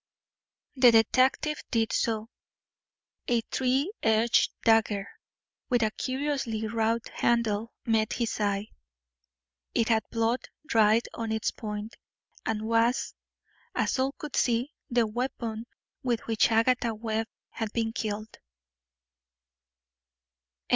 The detective did so. A three edged dagger, with a curiously wrought handle, met his eye. It had blood dried on its point, and was, as all could see, the weapon with which Agatha Webb had been killed.